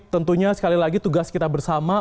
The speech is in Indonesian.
tentunya sekali lagi tugas kita bersama